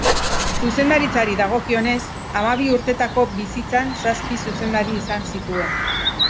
Zuzendaritzari dagokionez, hamabi urtetako bizitzan zazpi zuzendari izan zituen.